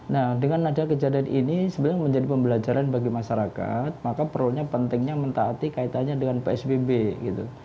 nah dengan ada kejadian ini sebenarnya menjadi pembelajaran bagi masyarakat maka pronya pentingnya mentaati kaitannya dengan psbb gitu